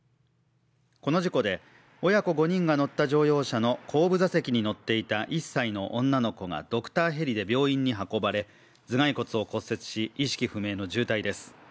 この事故で、親子５人が乗った乗用車の後部座席に乗っていた１歳の女の子がドクターヘリで病院に運ばれ頭蓋骨を骨折し、意識不明の重体です。